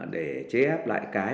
để chế áp lại cái